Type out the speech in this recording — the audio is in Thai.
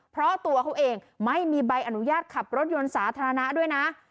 เพราะตัวเขาเองไม่มีใบอนุญาตขับรถยนต์สาธารณะด้วยนะ